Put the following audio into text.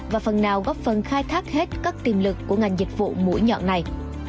và phần nào góp phần khai thác hết các tiềm lực của ngành dịch vụ mũi nhọn này